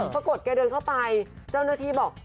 ปรากฏแกเดินเข้าไปเจ้าหน้าที่บอก